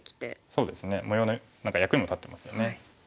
そうですね模様の役にも立ってますよね。